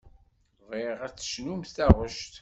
Bɣiɣ ad d-tecnumt taɣect.